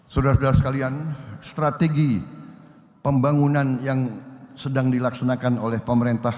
saudara saudara sekalian strategi pembangunan yang sedang dilaksanakan oleh pemerintah